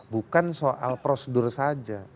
bukan soal prosedur saja